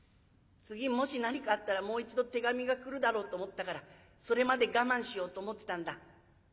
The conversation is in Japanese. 次もし何かあったらもう一度手紙が来るだろうと思ったからそれまで我慢しようと思ってたんだ。